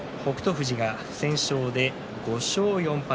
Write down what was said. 富士が不戦勝で５勝４敗。